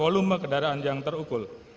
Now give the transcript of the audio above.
dan volume kendaraan yang terukul